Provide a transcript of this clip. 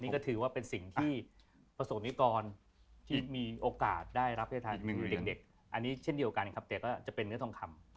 นี่ก็ถือว่าเป็นสิ่งที่ประสงค์นิกรที่มีโอกาสได้รับประทานคือเด็กอันนี้เช่นเดียวกันครับแต่ก็จะเป็นเนื้อทองคำ